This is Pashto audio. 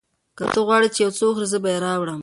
که ته غواړې چې یو څه وخورې، زه به یې راوړم.